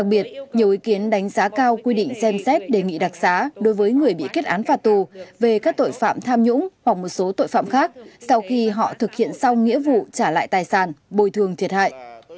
các ý kiến giá cao quy định xem xét đề nghị đặc xá đối với người bị kết án vào tù về các tội phạm tham nhũng hoặc một số tội phạm khác sau khi họ thực hiện xong nghĩa vụ trả lại tài sản bồi thường thiệt hại